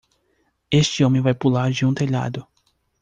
Este homem vai pular de um telhado.